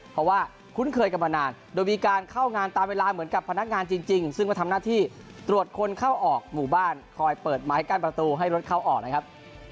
เพราะว่าคุ้นเคยกันมานานโดยมีการเข้างานตามเวลาเหมือนกับพนักงานจริงซึ่งมาทำหน้าที่ตรวจคนเข้าออกหมู่บ้านคอยเปิดไม้กั้นประตูให้รถเข้าออกนะครับ